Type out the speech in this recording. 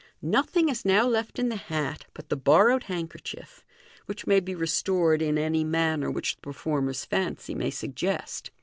Nothing is now left in the hat but the borrowed hand kerchief, which may be restored in any manner which the performer's fancy may suggest.